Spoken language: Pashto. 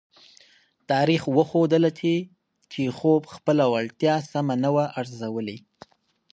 تاریخ وښودله چې چیخوف خپله وړتیا سمه نه وه ارزولې.